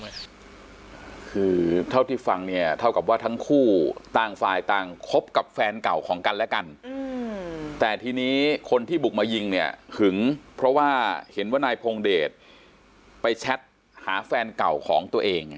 คือเท่าที่ฟังเนี่ยเท่ากับว่าทั้งคู่ต่างฝ่ายต่างคบกับแฟนเก่าของกันและกันแต่ทีนี้คนที่บุกมายิงเนี่ยหึงเพราะว่าเห็นว่านายพงเดชไปแชทหาแฟนเก่าของตัวเอง